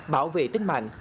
bảo vệ tính mạng